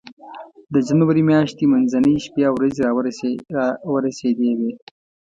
د جنوري میاشتې منځنۍ شپې او ورځې را ورسېدې وې.